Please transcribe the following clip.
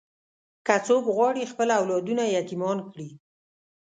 که څوک غواړي خپل اولادونه یتیمان کړي.